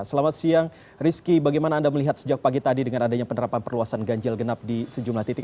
selamat siang rizky bagaimana anda melihat sejak pagi tadi dengan adanya penerapan perluasan ganjil genap di sejumlah titik